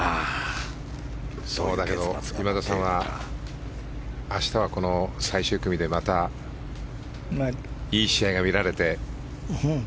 そうだけど、今田さんは明日はこの最終組でまたいい試合が見られて。